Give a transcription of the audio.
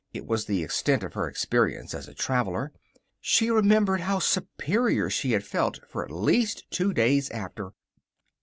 It was the extent of her experience as a traveler. She remembered how superior she had felt for at least two days after.